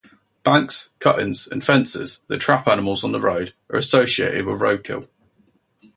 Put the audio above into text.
Banks, cuttings and fences that trap animals on the road are associated with roadkill.